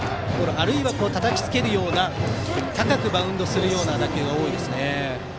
あるいは、たたきつけるような高くバウンドする打球が多いですね。